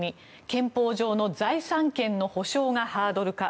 憲法上の財産権の保障がハードルか。